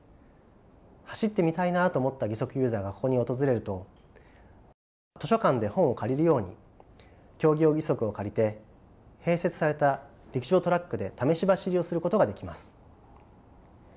走ってみたいなと思った義足ユーザーがここに訪れると図書館で本を借りるように競技用義足を借りて併設された陸上トラックで試し走りをすることができます。